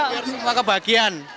biar semua kebahagiaan